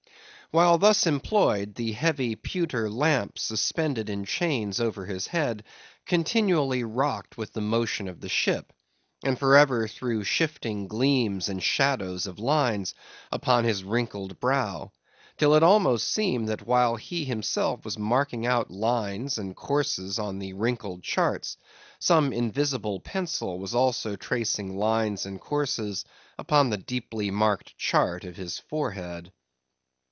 While thus employed, the heavy pewter lamp suspended in chains over his head, continually rocked with the motion of the ship, and for ever threw shifting gleams and shadows of lines upon his wrinkled brow, till it almost seemed that while he himself was marking out lines and courses on the wrinkled charts, some invisible pencil was also tracing lines and courses upon the deeply marked chart of his forehead.